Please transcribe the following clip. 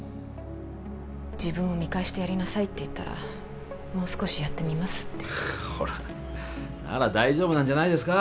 自分を見返してやりなさいって言ったらもう少しやってみますってほらなら大丈夫なんじゃないですか